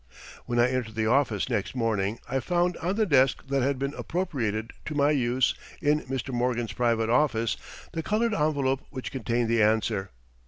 When I entered the office next morning, I found on the desk that had been appropriated to my use in Mr. Morgan's private office the colored envelope which contained the answer.